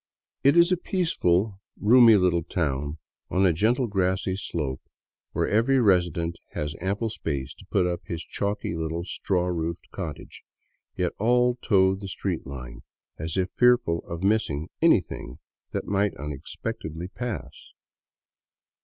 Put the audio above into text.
It is a peaceful, roomy little town on a gentle, grassy slope where every resident has ample space to put up his chalky little straw roofed cottage, yet all toe the street line, as if fearful of missing anything that might unexpectedly pass.